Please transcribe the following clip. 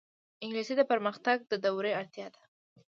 انګلیسي د پرمختګ د دورې اړتیا ده